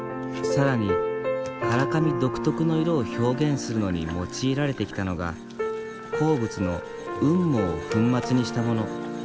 更に唐紙独特の色を表現するのに用いられてきたのが鉱物の雲母を粉末にしたもの。